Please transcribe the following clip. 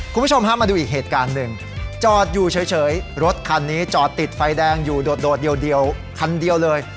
คุณผู้ชมฮะมาดูอีกเหตุการณ์หนึ่งจอดอยู่เฉยรถคันนี้จอดติดไฟแดงอยู่โดดเดียวคันเดียวเลย